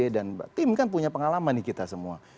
dan tim kan punya pengalaman nih kita semua